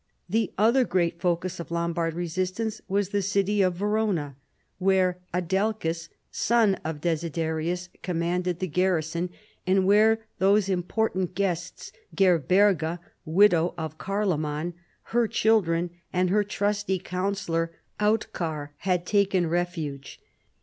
The other great focus of Lombard resistance was the city of Verona, where Adelchis, son of Desiderius, commanded the garrison, and where those important guests Ger berga, widow of Carloman, her children and her trusty counseUor Autchar had taken refuge.